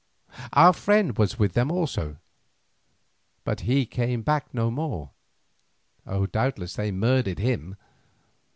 Our friend was with them also, but he came back no more; doubtless they murdered him.